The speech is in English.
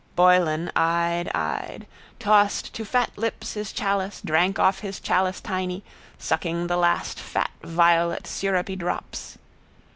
Boylan, eyed, eyed. Tossed to fat lips his chalice, drank off his chalice tiny, sucking the last fat violet syrupy drops.